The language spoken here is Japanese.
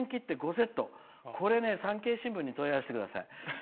これね、産経新聞に問い合わせてください。